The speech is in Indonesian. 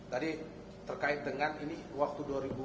tadi terkait dengan ini waktu dua ribu dua puluh